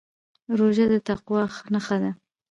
روژه د تقوا نښه ده.